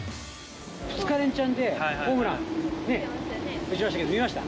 ２日レンチャンでホームラン打ちましたけど、見ました？